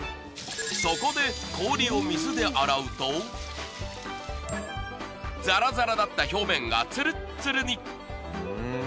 そこで氷を水で洗うとザラザラだった表面がツルッツルに。